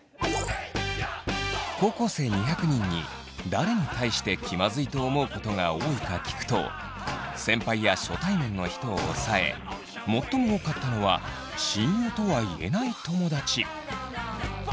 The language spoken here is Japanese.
高校生２００人に誰に対して気まずいと思うことが多いか聞くと先輩や初対面の人を抑え最も多かったのは親友とは言えない友だち。